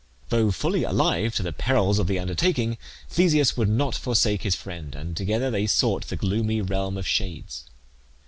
Though fully alive to the perils of the undertaking Theseus would not forsake his friend, and together they sought the gloomy realm of Shades.